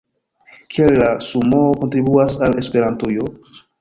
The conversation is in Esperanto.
Kiel la sumoo kontribuas al Esperantujo?